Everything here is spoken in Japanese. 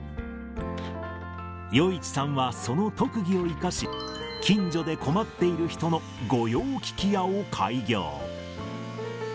余一さんはその特技を生かし、近所で困っている人の御用聞き屋を開業。